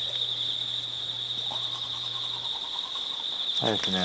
早いですね。